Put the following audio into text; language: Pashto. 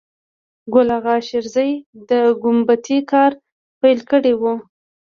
ګل آغا شېرزی د ګومبتې کار پیل کړی و.